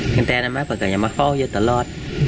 แค่แท้นั้นไหมกลายมาเฝ้าเยอะตลอด